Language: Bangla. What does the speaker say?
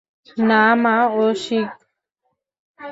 না মা, ও শিখ।